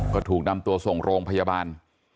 ก็ถูกนำตัวส่งโรงพยาบาล